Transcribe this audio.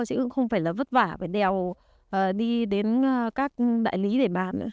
chứ cũng không phải là vất vả phải đèo đi đến các đại lý để bán nữa